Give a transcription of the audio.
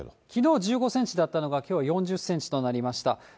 きのう１５センチだったのが、きょう４０センチとなりました。